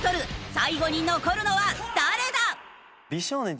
最後に残るのは誰だ？